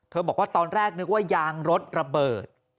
บอกว่าตอนแรกนึกว่ายางรถระเบิด